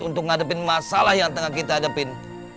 untuk ngadepin masalah yang tengah kita hadepin